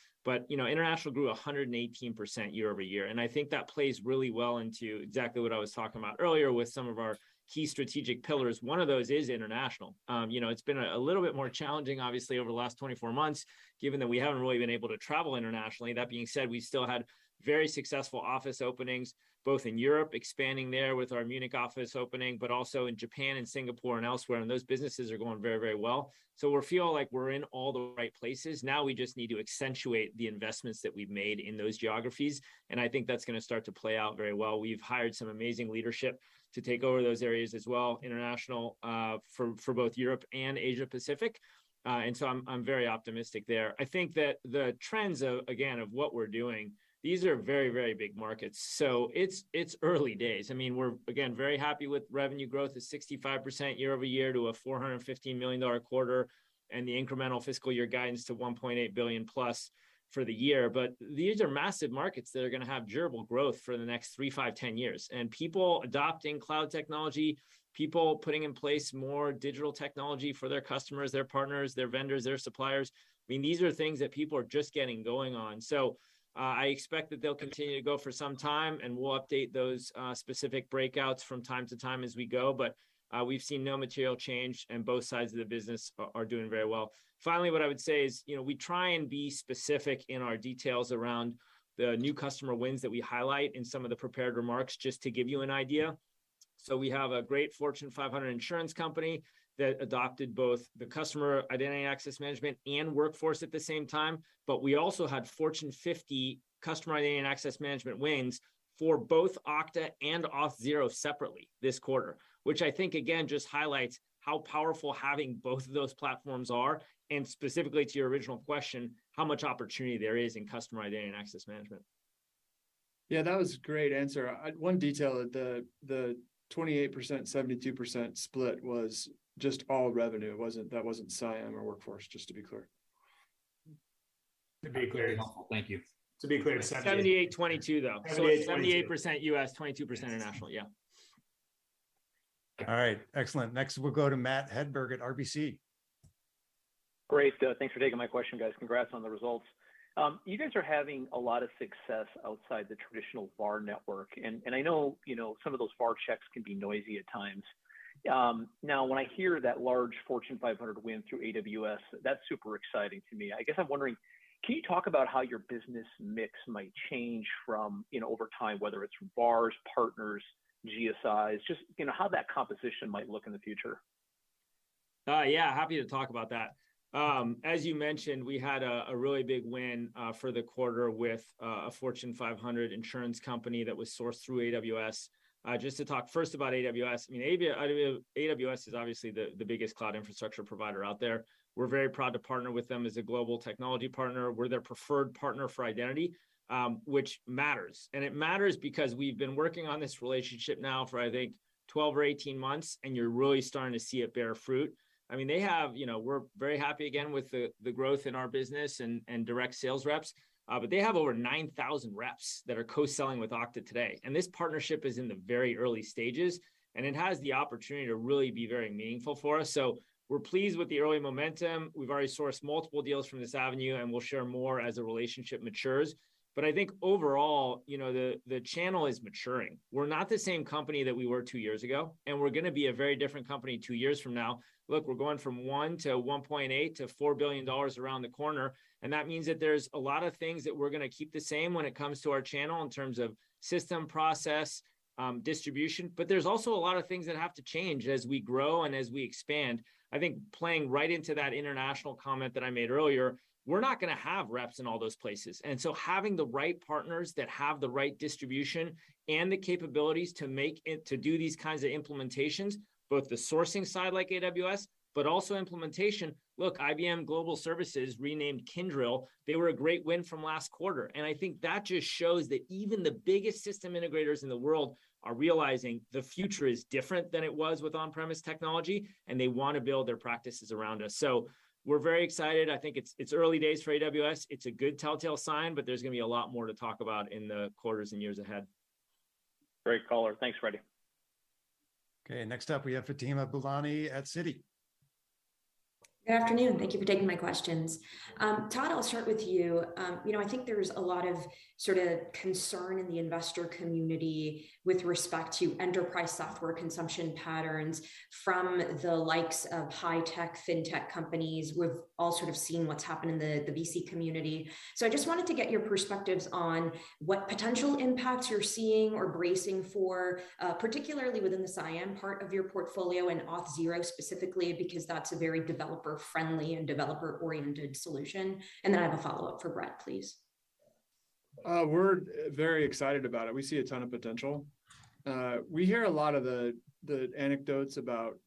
You know, international grew 118% year-over-year, and I think that plays really well into exactly what I was talking about earlier with some of our key strategic pillars. One of those is international. You know, it's been a little bit more challenging, obviously, over the last 24 months, given that we haven't really been able to travel internationally. That being said, we still had very successful office openings, both in Europe, expanding there with our Munich office opening, but also in Japan and Singapore and elsewhere, and those businesses are going very, very well. We feel like we're in all the right places. Now we just need to accentuate the investments that we've made in those geographies, and I think that's gonna start to play out very well. We've hired some amazing leadership to take over those areas as well, international, for both Europe and Asia Pacific, and so I'm very optimistic there. I think that the trends, again, of what we're doing, these are very, very big markets. It's early days. I mean, we're again very happy with revenue growth is 65% year-over-year to a $450 million quarter and the incremental fiscal year guidance to $1.8 billion+ for the year. These are massive markets that are gonna have durable growth for the next three, five, 10 years. People adopting cloud technology, people putting in place more digital technology for their customers, their partners, their vendors, their suppliers. I mean, these are things that people are just getting going on. I expect that they'll continue to go for some time, and we'll update those specific breakouts from time to time as we go. We've seen no material change, and both sides of the business are doing very well. Finally, what I would say is, you know, we try and be specific in our details around the new customer wins that we highlight in some of the prepared remarks, just to give you an idea. We have a great Fortune 500 insurance company that adopted both the Customer Identity and access management and Workforce at the same time, but we also had Fortune 50 Customer Identity and access management wins for both Okta and Auth0 separately this quarter, which I think again just highlights how powerful having both of those platforms are and specifically to your original question, how much opportunity there is in Customer Identity and access management. Yeah, that was a great answer. One detail. The 28%, 72% split was just all revenue. It wasn't CIAM or Workforce, just to be clear. To be clear. Very helpful. Thank you. To be clear, 70. 78%, 22%, though. 78%, 22%. 78% U.S., 22% international. Yeah. All right. Excellent. Next, we'll go to Matthew Hedberg at RBC. Great. Thanks for taking my question, guys. Congrats on the results. You guys are having a lot of success outside the traditional VAR network, and I know, you know, some of those VAR checks can be noisy at times. Now, when I hear that large Fortune 500 win through AWS, that's super exciting to me. I guess I'm wondering, can you talk about how your business mix might change from, you know, over time, whether it's VARs, partners, GSIs, just, you know, how that composition might look in the future? Yeah, happy to talk about that. As you mentioned, we had a really big win for the quarter with a Fortune 500 insurance company that was sourced through AWS. Just to talk first about AWS, I mean, AWS is obviously the biggest cloud infrastructure provider out there. We're very proud to partner with them as a global technology partner. We're their preferred partner for identity, which matters, and it matters because we've been working on this relationship now for, I think, 12 or 18 months, and you're really starting to see it bear fruit. I mean, they have, you know. We're very happy again with the growth in our business and direct sales reps, but they have over 9,000 reps that are co-selling with Okta today, and this partnership is in the very early stages, and it has the opportunity to really be very meaningful for us. We're pleased with the early momentum. We've already sourced multiple deals from this avenue, and we'll share more as the relationship matures. I think overall, you know, the channel is maturing. We're not the same company that we were two years ago, and we're gonna be a very different company two years from now. Look, we're going from $1 billion to $1.8 billion to $4 billion around the corner, and that means that there's a lot of things that we're gonna keep the same when it comes to our channel in terms of system, process, distribution, but there's also a lot of things that have to change as we grow and as we expand. I think playing right into that international comment that I made earlier, we're not gonna have reps in all those places. Having the right partners that have the right distribution and the capabilities to do these kinds of implementations, both the sourcing side, like AWS, but also implementation. Look, IBM Global Technology Services, renamed Kyndryl, they were a great win from last quarter. I think that just shows that even the biggest system integrators in the world are realizing the future is different than it was with on-premise technology, and they wanna build their practices around us. We're very excited. I think it's early days for AWS. It's a good telltale sign, but there's gonna be a lot more to talk about in the quarters and years ahead. Great call. Thanks, Frederic. Okay, next up we have Fatima Boolani at Citi. Good afternoon. Thank you for taking my questions. Todd, I'll start with you. You know, I think there's a lot of sort of concern in the investor community with respect to enterprise software consumption patterns from the likes of high-tech, fintech companies. We've all sort of seen what's happened in the VC community. I just wanted to get your perspectives on what potential impacts you're seeing or bracing for, particularly within the CIAM part of your portfolio and Auth0 specifically because that's a very developer-friendly and developer-oriented solution. Then I have a follow-up for Brett, please. We're very excited about it. We see a ton of potential. We hear a lot of the anecdotes about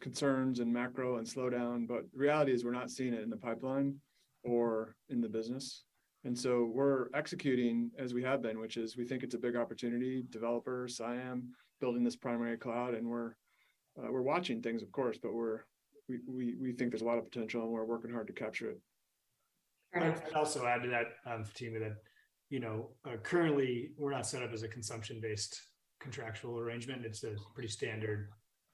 concerns and macro and slowdown, but the reality is we're not seeing it in the pipeline or in the business. We're executing as we have been, which is we think it's a big opportunity, developers, CIAM, building this primary cloud, and we're watching things, of course, but we think there's a lot of potential, and we're working hard to capture it. All right. I'd also add to that, Fatima, that you know, currently, we're not set up as a consumption-based contractual arrangement. It's a pretty standard,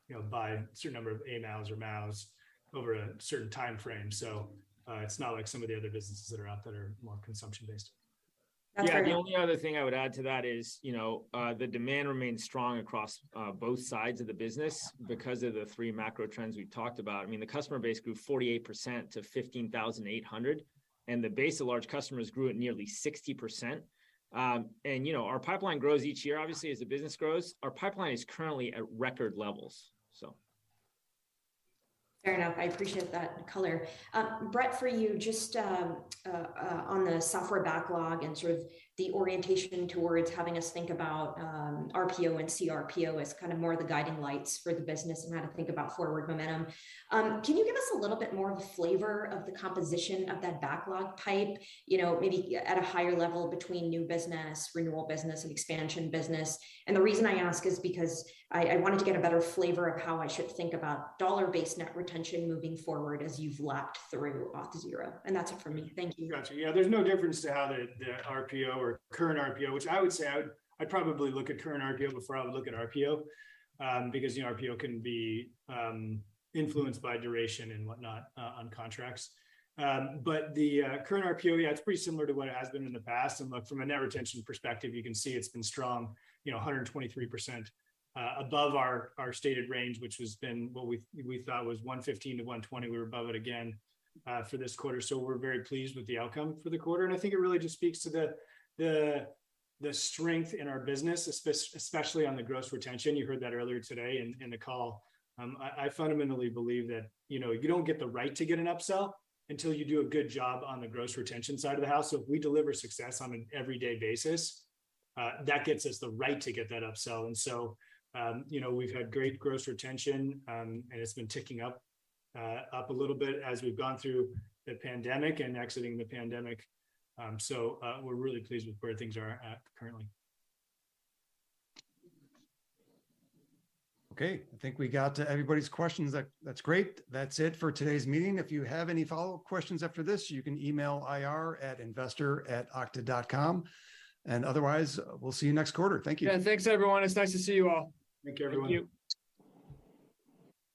you know, buy certain number of AMOUs or MAUs over a certain timeframe. It's not like some of the other businesses that are out there that are more consumption-based. That's fair. Yeah. The only other thing I would add to that is, you know, the demand remains strong across both sides of the business because of the three macro trends we've talked about. I mean, the customer base grew 48% to 15,800, and the base of large customers grew at nearly 60%. And, you know, our pipeline grows each year, obviously, as the business grows. Our pipeline is currently at record levels, so. Fair enough. I appreciate that color. Brett, for you, just on the software backlog and sort of the orientation towards having us think about RPO and cRPO as kind of more the guiding lights for the business and how to think about forward momentum. Can you give us a little bit more of a flavor of the composition of that backlog pipeline, you know, maybe at a higher level between new business, renewal business, and expansion business? The reason I ask is because I wanted to get a better flavor of how I should think about dollar-based net retention moving forward as you've lapped through Auth0. That's it for me. Thank you. Gotcha. Yeah, there's no difference to how the RPO or current RPO, which I would say I'd probably look at current RPO before I would look at RPO, because, you know, RPO can be influenced by duration and whatnot on contracts. The current RPO, yeah, it's pretty similar to what it has been in the past. Look, from a net retention perspective, you can see it's been strong, you know, 123% above our stated range, which has been what we thought was 115%-120%. We were above it again for this quarter, so we're very pleased with the outcome for the quarter. I think it really just speaks to the strength in our business, especially on the gross retention. You heard that earlier today in the call. I fundamentally believe that, you know, you don't get the right to get an upsell until you do a good job on the gross retention side of the house. If we deliver success on an everyday basis, that gets us the right to get that upsell. You know, we've had great gross retention, and it's been ticking up a little bit as we've gone through the pandemic and exiting the pandemic. We're really pleased with where things are at currently. Okay, I think we got to everybody's questions. That's great. That's it for today's meeting. If you have any follow-up questions after this, you can email IR at investor@okta.com. Otherwise, we'll see you next quarter. Thank you. Yeah. Thanks, everyone. It's nice to see you all. Thank you, everyone. Thank you.